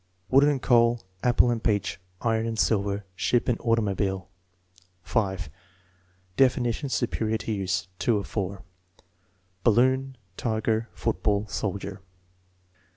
Wood and coal; apple and peach; iron and silver; ship and automobile. 5. Definitions superior to use. (2 of 4.) Balloon; tiger; football; soldier.